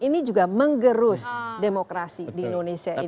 ini juga menggerus demokrasi di indonesia ini